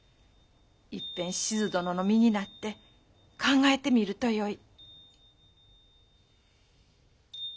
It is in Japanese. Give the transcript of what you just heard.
いっぺん志津殿の身になって考えてみるとよい。